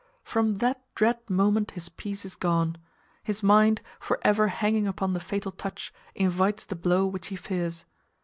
From that dread moment his peace is gone; his mind, for ever hanging upon the fatal touch, invites the blow which he fears.